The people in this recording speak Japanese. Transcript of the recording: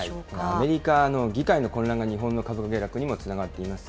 アメリカの議会の混乱が日本の株の下落にもつながっています。